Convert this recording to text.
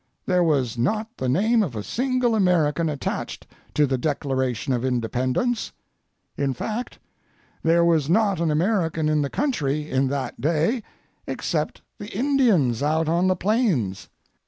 There was not the name of a single American attached to the Declaration of Independence—in fact, there was not an American in the country in that day except the Indians out on the plains.